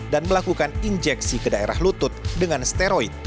dan melakukan injeksi ke daerah lutut dengan steroid